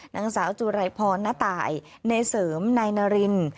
นางสาวจุรายพรณ์ณต่ายณเสริมณริน